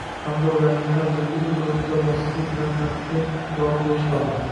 hamda ularning har biriga o‘z o‘rnida bosiqlik bilan kompetent javob berish lozim.